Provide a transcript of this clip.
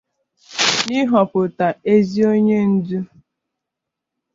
na n'ịhọpụta ezi onye ndu.